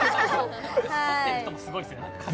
撮ってる人もすごいですよね。